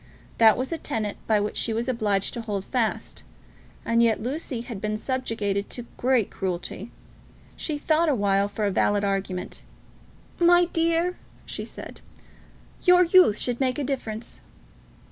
That was a tenet by which she was obliged to hold fast. And yet Lucy had been subjected to great cruelty. She thought awhile for a valid argument. "My dear," she said, "your youth should make a difference."